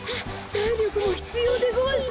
たいりょくもひつようでごわす。